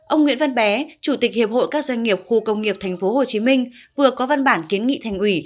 ông nguyễn văn bé chủ tịch hiệp hội các doanh nghiệp khu công nghiệp thành phố hồ chí minh vừa có văn bản kiến nghị thành ủy